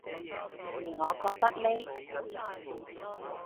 而我覺得呢